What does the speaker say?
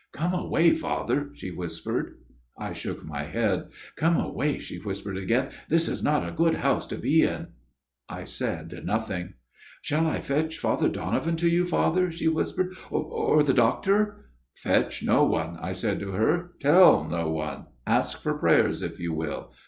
"' Come away, Father,' she whispered. " I shook my head. "' Come away,' she whispered again ;' this is not a good house to be in.' " I said nothing. "' Shall I fetchFatherDonovantoyou, Father,' she whispered, ' or the doctor ?'' Fetch no one,' I said to her. ' Tell no one Ask for prayers, if you will.